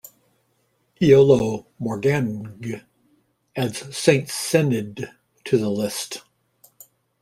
Iolo Morganwg adds Saint Cenydd to the list.